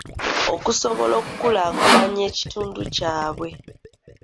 Okusobola okukulaakulanya ekitundu kyabwe.